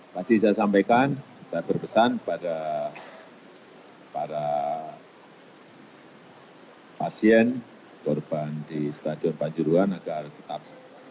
tadi saya sampaikan saya berpesan kepada para pasien korban di stadion panjuruan agar tetap